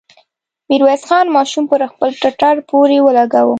ميرويس خان ماشوم پر خپل ټټر پورې ولګاوه.